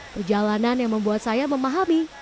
perjalanan yang membuat saya memahami